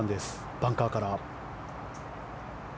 バンカーから。